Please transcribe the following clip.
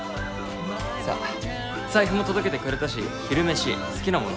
さっ財布も届けてくれたし昼飯好きなものおごるよ。